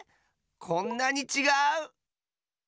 こんなにちがう！